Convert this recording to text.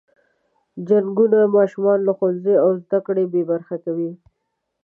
جنګونه ماشومان له ښوونځي او زده کړو بې برخې کوي.